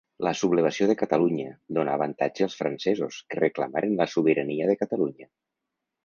La Sublevació de Catalunya, donà avantatge als francesos, que reclamaren la sobirania de Catalunya.